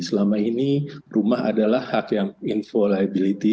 selama ini rumah adalah hak yang inviolability